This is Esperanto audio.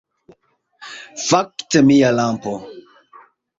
Fakte, mia lampo